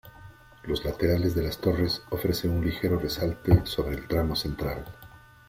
Los laterales de las torres ofrecen un ligero resalte sobre el tramo central.